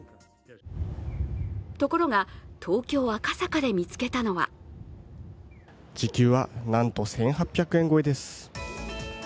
ところが東京・赤坂で見つけたのは時給はなんと１８００円超えです。